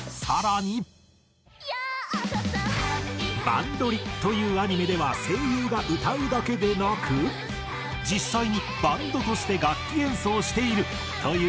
『バンドリ！』というアニメでは声優が歌うだけでなく実際にバンドとして楽器演奏しているという驚きの情報も。